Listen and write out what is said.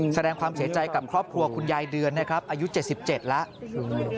แสดงความเสียใจกับครอบครัวคุณยายเดือนนะครับอายุ๗๗แล้ว